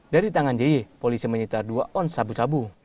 dari tangan jeye polisi menyitar dua on sabu sabu